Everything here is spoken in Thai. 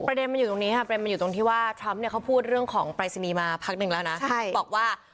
ประเด็นมันอยู่ตรงนี้ตอนที่ว่าทรัมป์เขาบอกเรื่องของปรายศิลป์มาพักนึงแล้วนะ